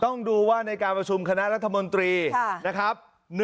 ต้องดูว่าในการประชุมคณะรัฐมนตรีนะครับ